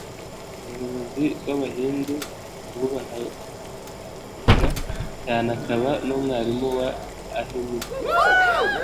umuyobozi w’abahindu wubahwaga cyane akaba n’umwarimu wa ahimsa